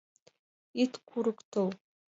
Ит курыктыл!